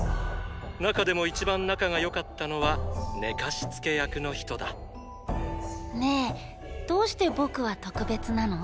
中でも一番仲が良かったのは寝かしつけ役の人だねぇどうして僕はとくべつなの？